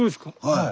はい。